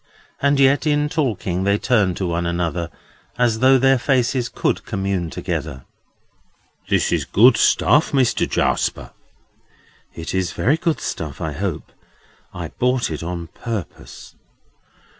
And yet, in talking, they turn to one another, as though their faces could commune together. "This is good stuff, Mister Jarsper!" "It is very good stuff, I hope.—I bought it on purpose."